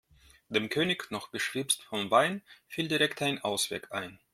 Dem König, noch beschwipst vom Wein, fiel direkt ein Ausweg ein.